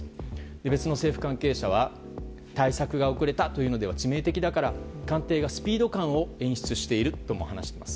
別の政府関係者は対策が遅れたというのでは致命的だから官邸がスピード感を演出しているとも話しています。